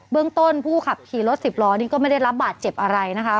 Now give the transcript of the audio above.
เรื่องต้นผู้ขับขี่รถสิบล้อนี่ก็ไม่ได้รับบาดเจ็บอะไรนะคะ